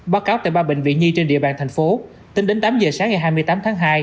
báo cáo tại ba bệnh viện nhi trên địa bàn thành phố tính đến tám giờ sáng ngày hai mươi tám tháng hai